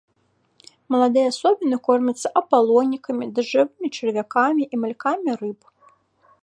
Маладыя асобіны кормяцца апалонікамі, дажджавымі чарвякамі і малькамі рыб.